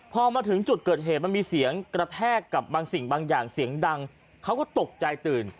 พอมาถึงจุดเกิดเหตุมันมีเสียงกระแทกกับบางสิ่งบางอย่างเสียงดังเขาก็ตกใจตื่น